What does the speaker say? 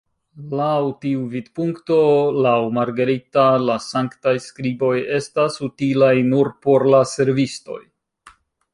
Laŭ tiu vidpunkto, laŭ Margarita la Sanktaj Skriboj estas utilaj nur por la servistoj.